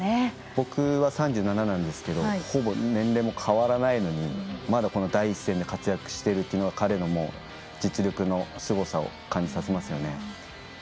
僕は３７なんですけどほぼ年齢も変わらないのにまだ第一線で活躍していることが彼の実力のすごさを感じさせますね。